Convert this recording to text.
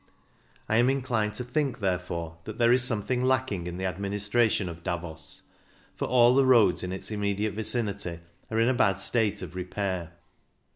I am inclined to think, therefore, that there is something lacking in the adminis tration of Davos, for all the roads in its inmiediate vicinity are in a bad state of repair.